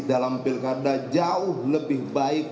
dalam pil karda jauh lebih baik